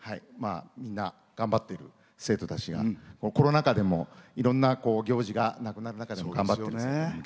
みんな頑張って、生徒たちがコロナ禍でもいろんな行事がなくなる中でも。